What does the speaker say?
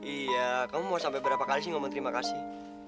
iya kamu mau sampai berapa kali sih ngomong terima kasih